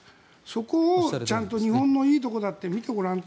そこをちゃんと、日本のいいところだって見てごらん。